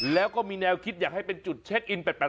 แล้วก็มีแนวคิดอยากให้เป็นจุดเช็คอิน๘๘